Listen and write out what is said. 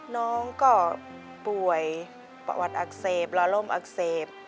น้องก็ป่วยประวัติอักเสบละล่มอักเสบ